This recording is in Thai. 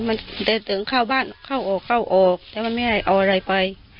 มันเดินถึงเข้าบ้านเข้าออกเข้าออกแต่ว่าไม่ให้เอาอะไรไป